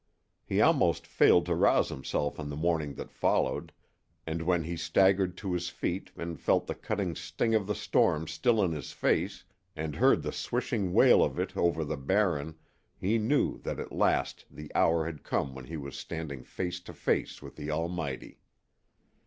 He almost failed to rouse himself on the morning that followed, and when he staggered to his feet and felt the cutting sting of the storm still in his face and heard the swishing wail of it over the Barren he knew that at last the hour had come when he was standing face to face with the Almighty.